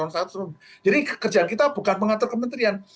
jadi pekerjaan kita bukan mengatur kementerian